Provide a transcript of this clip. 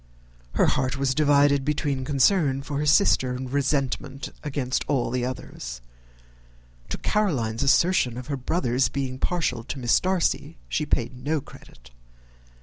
Her heart was divided between concern for her sister and resentment against all others. To Caroline's assertion of her brother's being partial to Miss Darcy, she paid no credit.